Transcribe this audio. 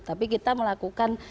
tapi kita melakukan